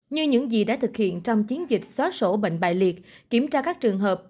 như những gì đã thực hiện trong chiến dịch xóa sổ bệnh bài liệt kiểm tra các trường hợp